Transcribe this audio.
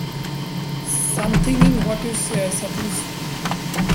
Something in what you say, I suppose.